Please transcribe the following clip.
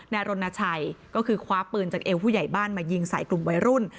รณชัยก็คือคว้าปืนจากเอวผู้ใหญ่บ้านมายิงใส่กลุ่มวัยรุ่น